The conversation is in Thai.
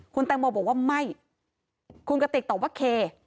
คุณแตงโมบอกว่าไม่คุณกติกตอบว่าเค